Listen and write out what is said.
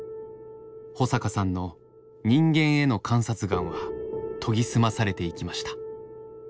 保阪さんの人間への観察眼は研ぎ澄まされていきました。